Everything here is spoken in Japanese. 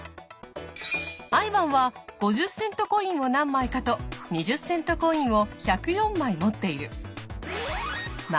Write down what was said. アイヴァンは５０セントコインを何枚かと２０セントコインを１０４枚持っている。